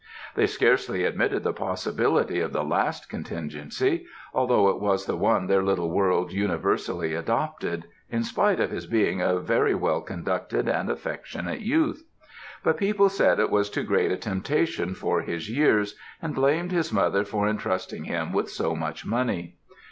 They scarcely admitted the possibility of the last contingency, although it was the one their little world universally adopted, in spite of his being a very well conducted and affectionate youth; but people said it was too great a temptation for his years, and blamed his mother for entrusting him with so much money.